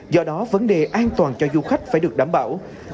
do đó vấn đề an toàn cho du khách phải được đảm bảo